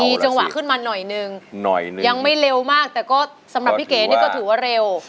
มีจังหวะขึ้นมาหน่อยนึงยังไม่เร็วมากแต่ก็สำหรับพี่เก๋นี่ก็ถือว่าเร็ว